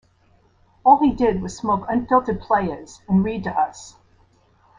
All he did was smoke unfiltered Player's and read to us.